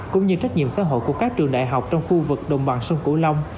cũng như trách nhiệm xã hội của các trường đại học trong khu vực đồng bằng sông cửu long